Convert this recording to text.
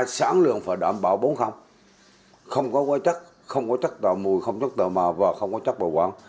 sáng lượng phải đảm bảo bốn không có chất tạo mùi không có chất tạo màu và không có chất bảo quản